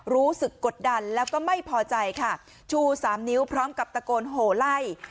รู้สึกกดดันแล้วก็ไม่พอใจค่ะชูสามนิ้วพร้อมกับตะโกนโหไล่